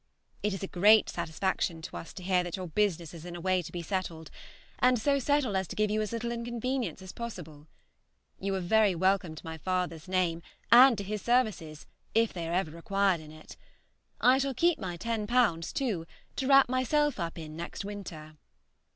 It is a great satisfaction to us to hear that your business is in a way to be settled, and so settled as to give you as little inconvenience as possible. You are very welcome to my father's name and to his services if they are ever required in it. I shall keep my ten pounds too, to wrap myself up in next winter.